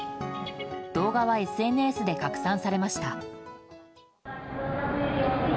動画はＳＮＳで拡散されました。